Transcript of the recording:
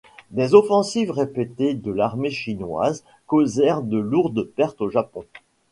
Des offensives répétées de l'armée chinoise causèrent de lourdes pertes au Japon.